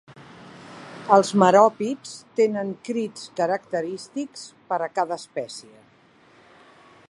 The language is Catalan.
Els meròpids tenen crits característics per a cada espècie.